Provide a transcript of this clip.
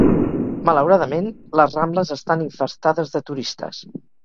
Malauradament, les Rambles estan infestades de turistes.